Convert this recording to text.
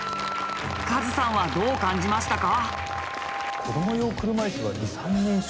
カズさんはどう感じましたか？